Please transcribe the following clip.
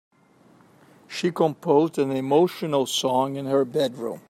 She composed an emotional song in her bedroom.